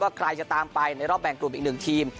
ว่าใครจะตามไปในรอบแบงกลุ่มอีก๑ทีม